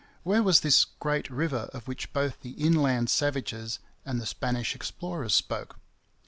Where was this Great River of which both the inland savages and the Spanish explorers spoke?